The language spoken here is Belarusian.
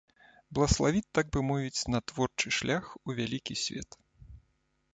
Блаславіць, так бы мовіць, на творчы шлях у вялікі свет.